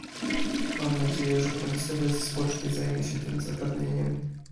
Mam nadzieję, że Komisja bezzwłocznie zajmie się tym zagadnieniem